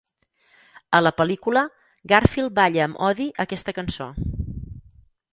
A la pel·lícula, Garfield balla amb Odie aquesta cançó.